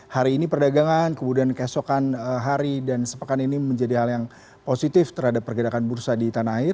hari ini perdagangan kemudian keesokan hari dan sepekan ini menjadi hal yang positif terhadap pergerakan bursa di tanah air